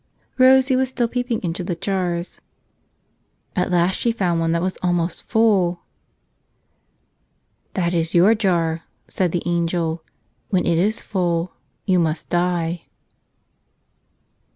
Rosie was still peeping into the jars. At last she found one that was almost full. "That is your jar," said the angel. "When it is full you must die."